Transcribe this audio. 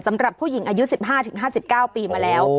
สำหรับผู้หญิงอายุ๑๕๕๙ปีมาแล้ว